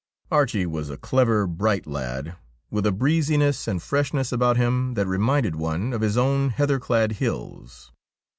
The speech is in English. Archie was a clever, bright lad, with a breeziness and freshness about him that reminded one of his own heather clad hills.